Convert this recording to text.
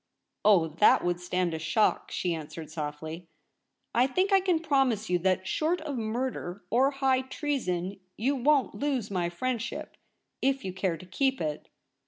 ' Oh, that would stand a shock,' she answered softly. ' I think I can promise you that, short of murder or high treason, you won't lose my friendship — if you care to keep it.